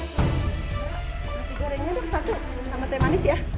masih gorengnya dong satu sama teh manis ya